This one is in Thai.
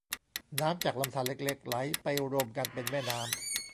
น้ำจากลำธารเล็กเล็กไหลไปรวมกันเป็นแม่น้ำ